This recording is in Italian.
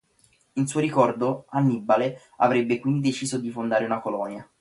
In suo ricordo, Annibale avrebbe quindi deciso di fondare una colonia.